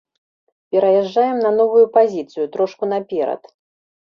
Пераязджаем на новую пазіцыю, трошку наперад.